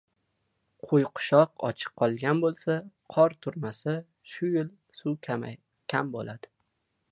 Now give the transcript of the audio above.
Qo‘yqushoq ochiq qolgan bo‘lsa, qor turmasa… shu yil suv kam bo‘ladi.